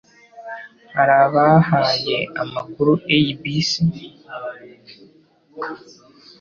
Hari abahaye amakuru ABC